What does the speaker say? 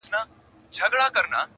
o په ډېري کې خوره، په لږي کې وېشه٫